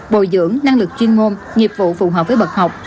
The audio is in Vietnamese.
bồi dưỡng năng lực chuyên môn nghiệp vụ phù hợp với bậc học